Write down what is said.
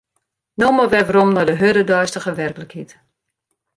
No mar wer werom nei de hurde deistige werklikheid.